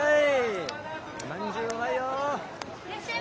いらっしゃい！